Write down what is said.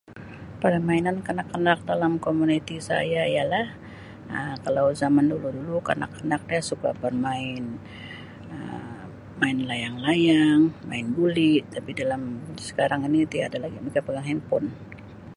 Permainan kanak-kanak dalam komuniti saya ialah Um kalau zaman dulu-dulu kanak-kanak dia suka bermain Um main layang-layang, main guli tapi dalam sekarang ini tiada lagi mereka pegang henpone.